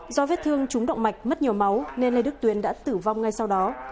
do vết thương trúng động mạch mất nhiều máu nên lê đức tuyến đã tử vong ngay sau đó